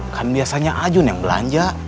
kan biasanya ajun yang belanja